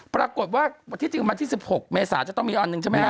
ปรากฏว่าที่จริงวันที่๑๖เมษาจะต้องมีอันหนึ่งใช่ไหมครับ